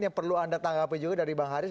yang perlu anda tanggapi juga dari bang haris